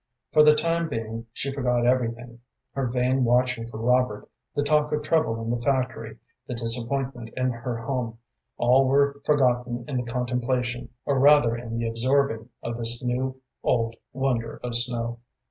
For the time being she forgot everything; her vain watching for Robert, the talk of trouble in the factory, the disappointment in her home all were forgotten in the contemplation, or rather in the absorbing, of this new old wonder of snow.